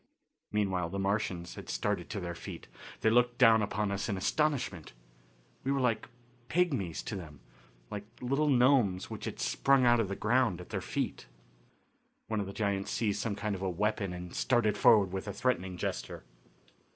Meanwhile the Martians had started to their feet. They looked down upon us in astonishment. We were like pigmies to them; like little gnomes which had sprung out of the ground at their feet. One of the giants seized some kind of a weapon and started forward with a threatening gesture.